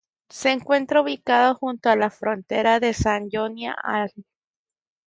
Se encuentra ubicado junto a la frontera con Sajonia-Anhalt.